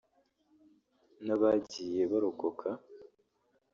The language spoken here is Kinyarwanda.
n’abagiye barokoka